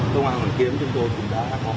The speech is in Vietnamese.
công an hoàn kiếm chúng tôi cũng đã có